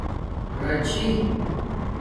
راچھی